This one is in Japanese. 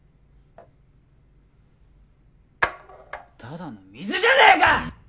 ただの水じゃねぇか！